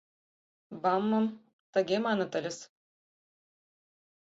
БАМ-ым тыге маныт ыльыс.